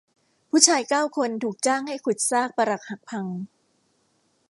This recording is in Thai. ผู้ชายเก้าคนถูกจ้างให้ขุดซากปรักหักพัง